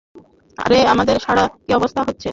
আরে, আমাদের ছাড়া কি অবস্থা হচ্ছে?